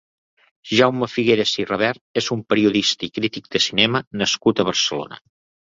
Jaume Figueras i Rabert és un periodista i crític de cinema nascut a Barcelona.